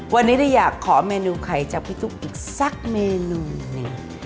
วันนี้ได้อยากขอเมนูไข่จากพี่ตุ๊กอีกสักเมนูหนึ่ง